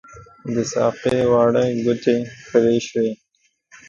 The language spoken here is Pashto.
د ساقۍ واړه ګوتې پري شوي